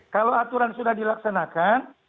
kalau aturan sudah dilaksanakan